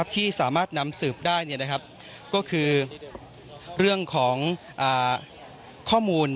ที่สามารถนำสืบได้ก็คือเรื่องของข้อมูล